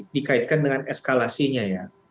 dikaitkan dengan eskalasinya ya